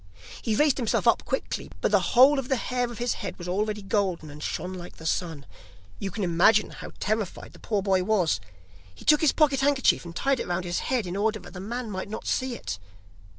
He raised himself up quickly, but the whole of the hair of his head was already golden and shone like the sun. You can imagine how terrified the poor boy was! He took his pocket handkerchief and tied it round his head, in order that the man might not see it.